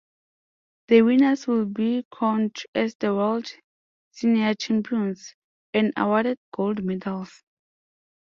The winners will be crowned as the "World Senior Champions" and awarded gold medals.